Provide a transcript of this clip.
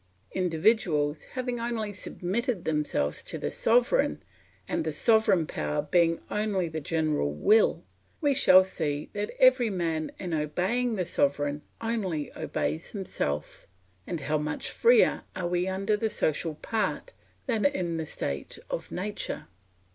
Individuals having only submitted themselves to the sovereign, and the sovereign power being only the general will, we shall see that every man in obeying the sovereign only obeys himself, and how much freer are we under the social part than in the state of nature.